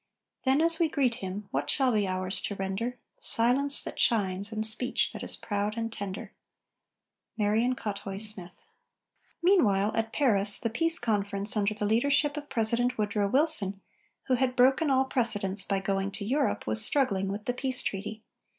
Then, as we greet him, what shall be ours to render? Silence that shines, and speech that is proud and tender! MARION COUTHOUY SMITH. Meanwhile, at Paris, the Peace Conference, under the leadership of President Woodrow Wilson, who had broken all precedents by going to Europe, was struggling with the peace treaty.